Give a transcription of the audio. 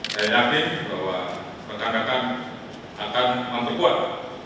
saya yakin bahwa rekan rekan akan memperkuat